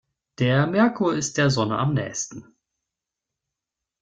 Der Merkur ist der Sonne am nähesten.